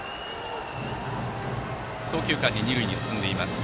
送球間に二塁に進んでいます。